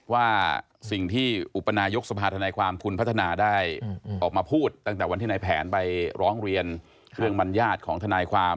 ว่าสิ่งที่อุปนายกสภาธนายความคุณพัฒนาได้ออกมาพูดตั้งแต่วันที่นายแผนไปร้องเรียนเรื่องบรรยาทของทนายความ